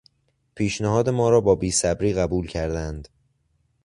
پیشنهاد ما را با بیصبری قبول کردند.